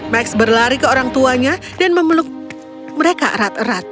max berlari ke orang tuanya dan memeluk mereka erat erat